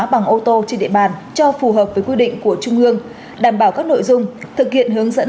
bằng ô tô trên địa bàn cho phù hợp với quy định của trung ương đảm bảo các nội dung thực hiện hướng dẫn